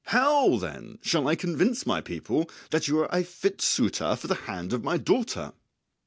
How, then, shall I convince my people that you are a fit suitor for the hand of my daughter?"